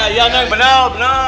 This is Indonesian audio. iya neng benar benar